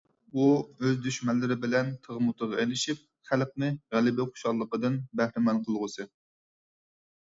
ئۇ ئۆز دۈشمەنلىرى بىلەن تىغمۇتىغ ئېلىشىپ، خەلقنى غەلىبە خۇشاللىقىدىن بەھرىمەن قىلغۇسى.